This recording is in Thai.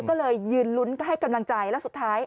ก็เลยยืนลุ้นให้กำลังใจแล้วสุดท้าย